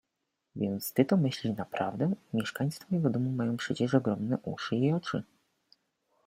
— Więc ty to myślisz naprawdę? Mieszkańcy twojego domu mają przecież ogromne uszy i oczy.